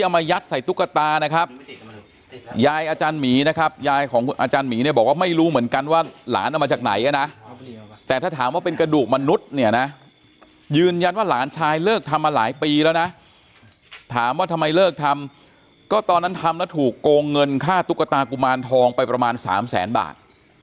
ไม่รู้เหมือนกันว่าหลานเอามาจากไหนนะแต่ถ้าถามว่าเป็นกระดูกมนุษย์เนี่ยนะยืนยันว่าหลานชายเลิกทำมาหลายปีแล้วนะถามว่าทำไมเลิกทำก็ตอนนั้นทำแล้วถูกโกงเงินค่าตุ๊กตากุมารทองไปประมาณสามแสนบาท